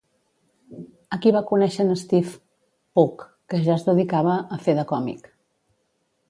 Aquí va conèixer en Steve Pugh, que ja es dedicava a fer de còmic.